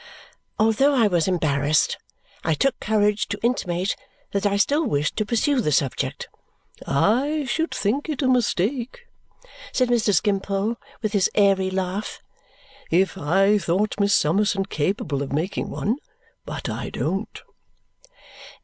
Although I was embarrassed, I took courage to intimate that I still wished to pursue the subject. "I should think it a mistake," said Mr. Skimpole with his airy laugh, "if I thought Miss Summerson capable of making one. But I don't!"